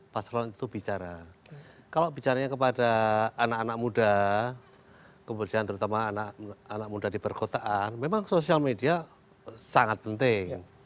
paslon itu bicara kalau bicaranya kepada anak anak muda kemudian terutama anak anak muda di perkotaan memang sosial media sangat penting